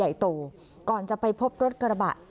อันดับที่สุดท้าย